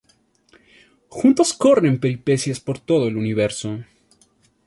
Juntos corren peripecias por todo el universo.